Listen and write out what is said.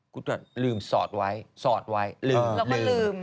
ลืมสอดไว้สอดไว้ลืม